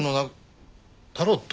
タロット？